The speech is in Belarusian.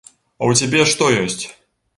А ў цябе што ёсць?